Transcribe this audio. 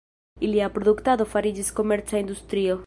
Ilia produktado fariĝis komerca industrio.